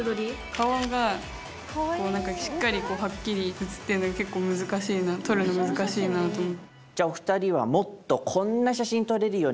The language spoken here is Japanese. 顔がこう何かしっかりはっきり写ってるのが結構難しいな撮るの難しいなと思う。